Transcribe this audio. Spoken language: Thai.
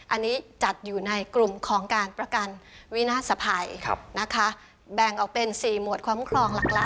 อันนี้จัดอยู่ในกลุ่มของการประกันวินาศภัยนะคะแบ่งออกเป็น๔หมวดคุ้มครองหลัก